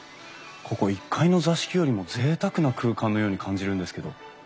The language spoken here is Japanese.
ここ１階の座敷よりもぜいたくな空間のように感じるんですけど。